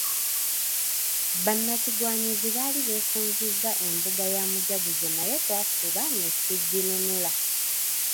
Bannakigwanyizi baali beefunzizza embuga ya Mujaguzo naye twafuba ne tuginunula.